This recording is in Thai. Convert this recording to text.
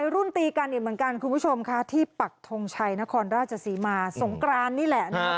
รุ่นตีกันอีกเหมือนกันคุณผู้ชมค่ะที่ปักทงชัยนครราชศรีมาสงกรานนี่แหละ